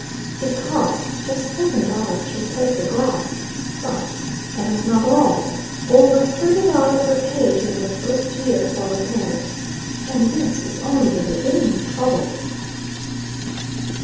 It cost just seven dollars to replace the glass. But, that was not all over thirty dollars were paid during the first year for repairs. And this is only the beginning of troubles.